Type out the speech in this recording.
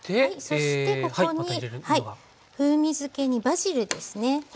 そしてここに風味づけにバジルですね。